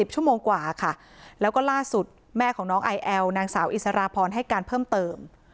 ชั่วโมงกว่าค่ะแล้วก็ล่าสุดแม่ของน้องไอแอลนางสาวอิสราพรให้การเพิ่มเติม